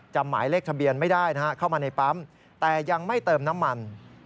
หมายเลขทะเบียนไม่ได้นะฮะเข้ามาในปั๊มแต่ยังไม่เติมน้ำมัน